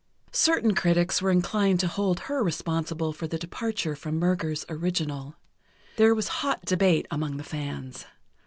Certain critics were inclined to hold her responsible for the departure from Murger's original. There was hot debate among the fans.